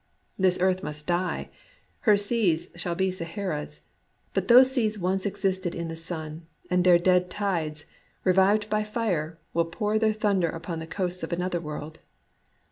This earth must die ; her seas shall be Saharas. But those seas once existed in the sun ; and their dead tides, re vived by fire, will pour their thunder upon the coasts of another world.